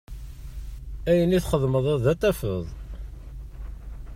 Ayen i txedmeḍ ad t-tafeḍ.